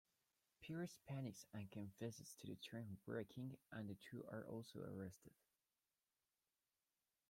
Pierce panics and confesses to the train wrecking, and the two are also arrested.